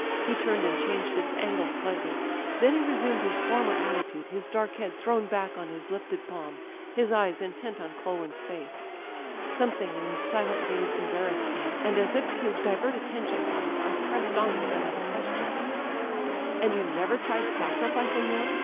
He turned and changed its angle slightly; then he resumed his former attitude, his dark head thrown back on his lifted palm, his eyes intent on Culwin's face. Something in his silent gaze embarrassed me, and as if to divert atten tion from it I pressed on with another question: "And you never tried sacrificing Noyes?"